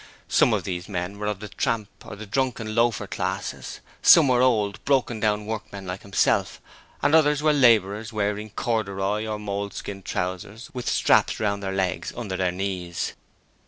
Some of these men were of the tramp or the drunken loafer class; some were old, broken down workmen like himself, and others were labourers wearing corduroy or moleskin trousers with straps round their legs under their knees.